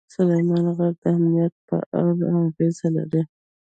سلیمان غر د امنیت په اړه اغېز لري.